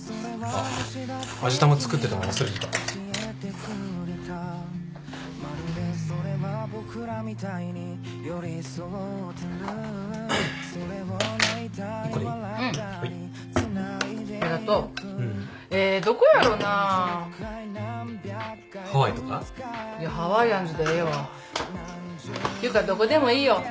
っていうかどこでもいいよ。